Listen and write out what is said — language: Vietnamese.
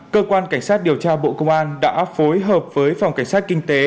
cơ quan cảnh sát điều tra bộ công an đã phối hợp với phòng cảnh sát kinh tế